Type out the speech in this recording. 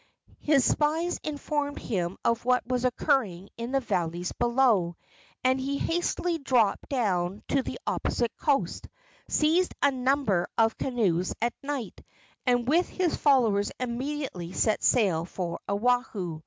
His spies informed him of what was occurring in the valleys below, and he hastily dropped down to the opposite coast, seized a number of canoes at night, and with his followers immediately set sail for Oahu.